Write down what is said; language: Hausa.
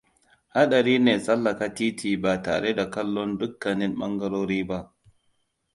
Haɗari ne tsallaka titi ba tare da kallon dukkanin ɓangarori ba.